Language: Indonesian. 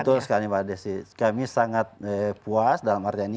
betul sekali mbak desi kami sangat puas dalam arti ini